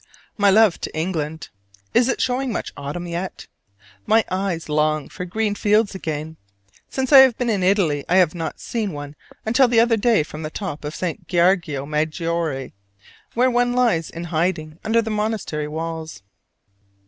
My love to England. Is it showing much autumn yet? My eyes long for green fields again. Since I have been in Italy I had not seen one until the other day from the top of St. Giorgio Maggiore, where one lies in hiding under the monastery walls.